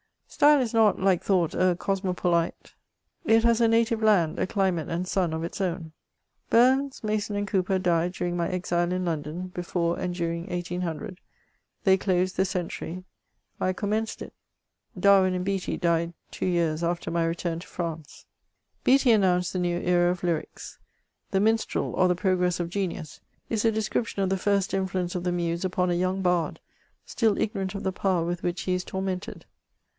Style is not, like thought, a cosmopolite : it has a native land, a chmate and sun of its own. Bums, Mason and Cowper died during my exile in London, before and during 1800 ; uiey closed the century : I commenced it. Darwin and Beatde died two years after my return to France. Beattie announced the new era of lyrics. '* The Minstzel, or the Progress of Genius," is a description of the first influ ence of the Muse upon a young bard, still ignorant of the power with which he is tormented.